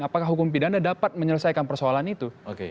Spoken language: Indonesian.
apakah hukum pidana dapat menyelesaikan persoalan itu